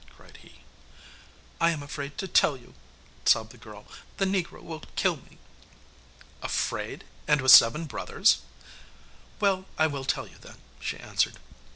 cried he. 'I am afraid to tell you,' sobbed the girl, 'the negro will kill me.' 'Afraid! and with seven brothers!' 'Well, I will tell you then,' she answered.